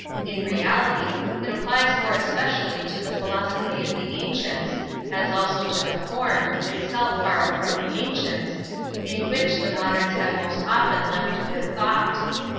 In reality, it applies more especially to the philosophy of the ancients, as also to the form — itself borrowed from the ancients — in which the moderns have most often left their thought.